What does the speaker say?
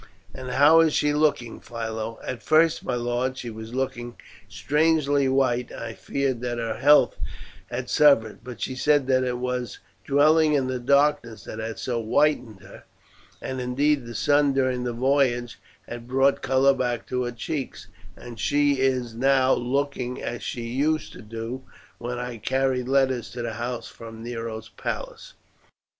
"And how is she looking, Philo?" "At first, my lord, she was looking strangely white, and I feared that her health had suffered; but she said that it was dwelling in the darkness that had so whitened her, and indeed the sun during the voyage has brought the colour back to her cheeks, and she is now looking as she used to do when I carried letters to the house from Nero's palace."